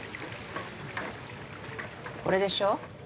これでしょ？